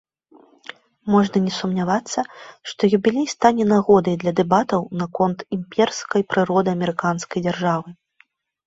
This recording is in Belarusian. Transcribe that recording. Можна не сумнявацца, што юбілей стане нагодай для дэбатаў наконт імперскай прыроды амерыканскай дзяржавы.